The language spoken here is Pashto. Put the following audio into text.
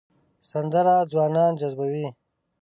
سندره ځوانان جذبوي